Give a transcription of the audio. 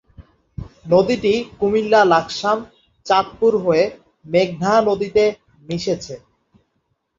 নদীটি কুমিল্লা-লাকসাম চাঁদপুর হয়ে মেঘনা নদীতে মিশেছে।